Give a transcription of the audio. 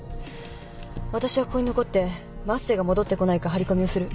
私はここに残って升瀬が戻ってこないか張り込みをする。